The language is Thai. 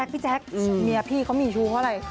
พี่แจ๊คเมียพี่เขามีชู้เพราะอะไร